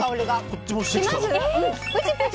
こっちもしてきた。